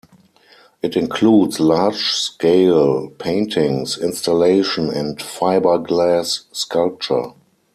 It includes large scale paintings, installation, and fiberglass sculpture.